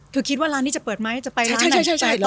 คือคิดว่าร้านนี้จะเปิดไหมจะไปร้านไหนต่อดี